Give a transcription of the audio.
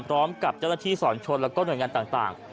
พร้อมกับเจ้าหน้าที่สอนชนแล้วก็หน่วยงานต่าง